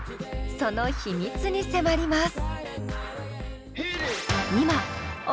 その秘密に迫ります。